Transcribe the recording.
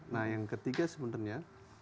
nah yang ketiga sebenarnya